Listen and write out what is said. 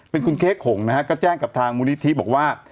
เป็นคุณเค้กห่งนะฮะก็แจ้งกับทางมูลนิธิบอกว่า